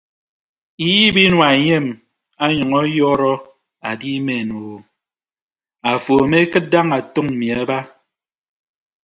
Iyiib inua enyem anyʌñ ọyọrọ adimen o afo amekịd daña atʌñ mmi aba.